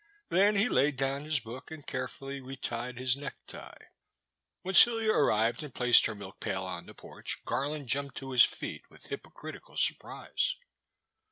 Then he laid down his book and carefully retied his necktie. When Celia arrived and placed her milk pail on the porch, Garland jumped to his feet with hypo critical surprise.